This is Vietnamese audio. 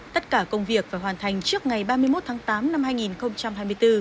tất cả công việc phải hoàn thành trước ngày ba mươi một tháng tám năm hai nghìn hai mươi bốn